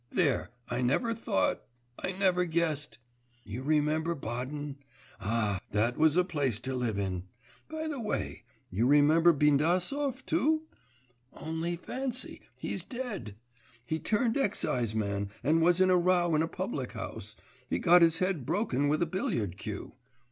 There, I never thought, I never guessed.... You remember Baden? Ah, that was a place to live in! By the way, you remember Bindasov too? Only fancy, he's dead. He turned exciseman, and was in a row in a public house; he got his head broken with a billiard cue.